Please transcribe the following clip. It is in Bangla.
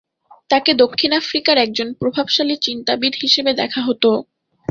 তাকে দক্ষিণ আফ্রিকায় একজন প্রভাবশালী চিন্তাবিদ হিসেবে দেখা হত।